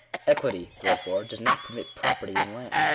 Equity, therefore, does not permit property in land.